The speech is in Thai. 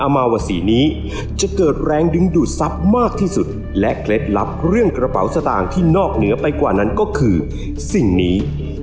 มีเคล็ดลับเรื่องกระเป๋าสตางค์ที่นอกเหนือไปกว่านั้นก็คือสิ่งนี้